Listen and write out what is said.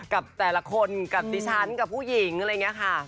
กับแต่ละคนกับดิฉันกับผู้หญิงอะไรอย่างนี้ค่ะ